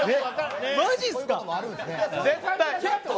マジすか。